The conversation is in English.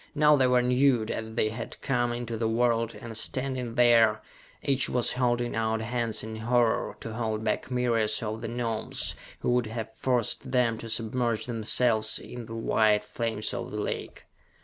Now they were nude as they had come into the world and standing there, each was holding out hands in horror, to hold back myriads of the Gnomes, who would have forced them to submerge themselves in the white flames of the lake!